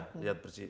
kurang zat besi